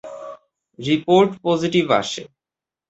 Report positive আসে।